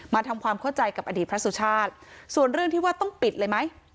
ทำความเข้าใจกับอดีตพระสุชาติส่วนเรื่องที่ว่าต้องปิดเลยไหม